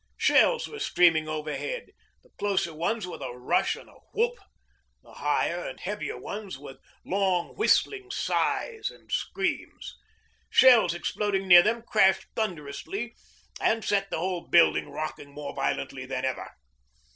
Shells were streaming overhead, the closer ones with a rush and a whoop, the higher and heavier ones with long whistling sighs and screams. Shells exploding near them crashed thunderously and set the whole building rocking more violently than ever.